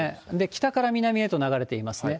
北から南へと流れていますね。